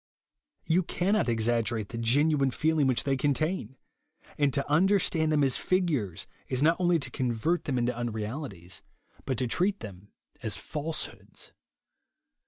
You cannot exaggerate the genuine feeling which they contain ; and to under stand them as figures, is not only to con vert them into unrealities, but to treat them 198 JESUS ONLY. as falsehoods.